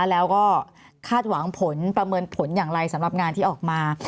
แล้วก็คาดหวังผลประเมินผลอย่างไรสำหรับงานที่ออกมา